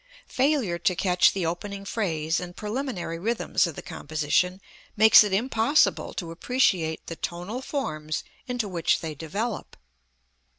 Failure to catch the opening phrase and preliminary rhythms of the composition makes it impossible to appreciate the tonal forms into which they develop.